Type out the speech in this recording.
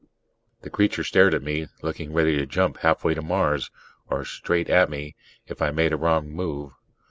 The creature stared at me, looking ready to jump halfway to Mars or straight at me if I made a wrong move.